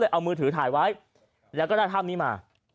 เอามือถือถ่ายไว้แล้วก็ได้ภาพนี้มา